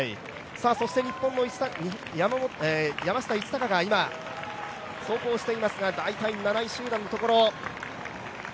そして日本の山下一貴が今、走行していますが大体７位集団のところ。